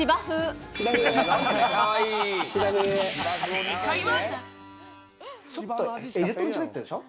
正解は。